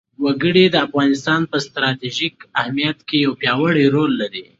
وګړي د افغانستان په ستراتیژیک اهمیت کې یو پیاوړی رول لري.